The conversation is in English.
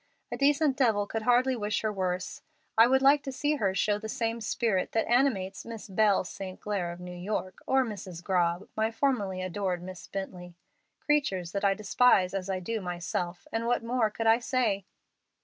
A decent devil could hardly wish her worse. I would like to see her show the same spirit that animates Miss Belle St. Glair of New York, or Mrs. Grobb, my former adored Miss Bently creatures that I despise as I do myself, and what more could I say?